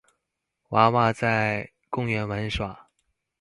娃娃在公園玩耍